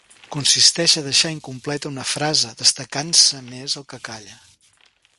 Consisteix a deixar incompleta una frase, destacant-se més el que calla.